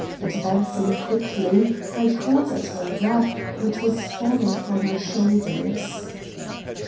Advancing quietly, I caught at her wrap which was falling from her shoulders.